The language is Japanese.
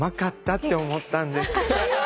って思ったんです。